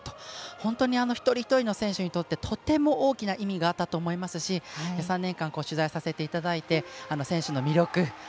本当に一人一人の選手にとってとても大きな意味があったと思いますし３年間、取材をさせていただいて選手の魅力。